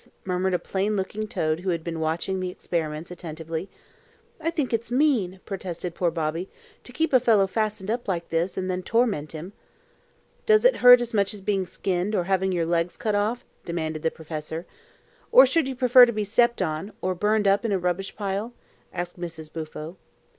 murmured a plain looking toad who had been watching the experiments attentively. "I think it's mean," protested poor Bobby, "to keep a fellow fastened up like this, and then torment him." "Does it hurt as much as being skinned, or having your legs cut off?" demanded the professor. "Or should you prefer to be stepped on, or burned up in a rubbish pile?" asked Mrs. Bufo.